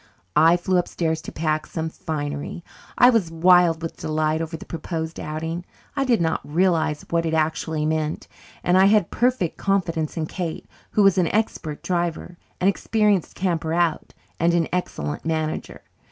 I flew upstairs to pack some finery. I was wild with delight over the proposed outing. I did not realize what it actually meant, and I had perfect confidence in Kate, who was an expert driver, an experienced camper out, and an excellent manager.